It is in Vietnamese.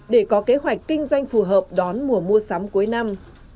để có kế hoạch kinh doanh phù hợp đón mùa mua sắm cuối năm